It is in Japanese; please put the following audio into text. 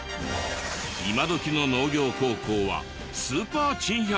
今どきの農業高校はスーパー珍百景だらけ！